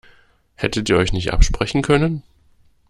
Hättet ihr euch nicht absprechen können?